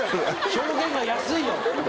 表現が安いよ！